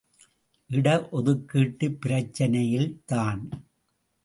இட ஒதுக்கீட்டுப் பிரச்சினையில் தான்!